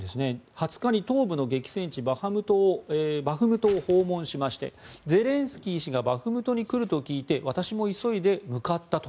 ２０日に東部の激戦地バフムトを訪問しましてゼレンスキー氏がバフムトに来ると聞いて私も急いで向かったと。